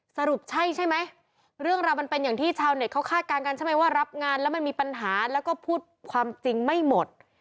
สรุปใช่ใช่ไหมเรื่องราวมันเป็นอย่างที่ชาวเน็ตเขาคาดการณ์กันใช่ไหมว่ารับงานแล้วมันมีปัญหาแล้วก็พูดความจริงไม่หมด